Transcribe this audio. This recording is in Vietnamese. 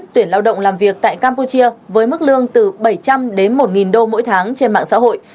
tuyển lao động làm việc tại campuchia với mức lương từ bảy trăm linh đến một đô mỗi tháng trên mạng xã hội